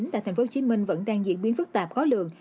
tại tp hcm vẫn đang diễn biến phức tạp khó lường